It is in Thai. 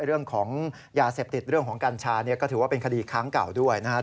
เรื่องของยาเสพติดเรื่องของกัญชาเนี่ยก็ถือว่าเป็นคดีค้างเก่าด้วยนะครับ